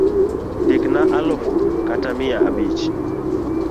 Ndikna alufu kata mia abich.